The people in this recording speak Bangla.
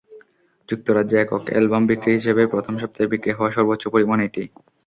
যুক্তরাজ্যে একক অ্যালবাম বিক্রির হিসেবে প্রথম সপ্তাহে বিক্রি হওয়া সর্বোচ্চ পরিমাণ এটি।